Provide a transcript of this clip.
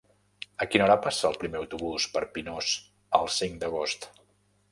A quina hora passa el primer autobús per Pinós el cinc d'agost?